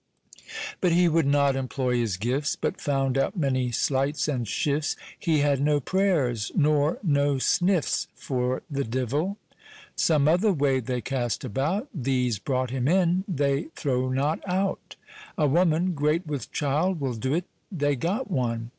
But hee would not employ his gifts. But found out many sleights and shifts; Hee had no prayers, nor no snifts, For th' divell. Some other way they cast about, These brought him in, they throw not out; A woman, great with child, will do't; They got one.